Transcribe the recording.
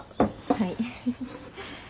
はい。